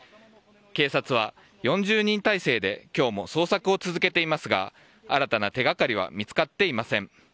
警察は４０人態勢で今日も捜索を続けていますが新たな手掛かりは見つかっていません。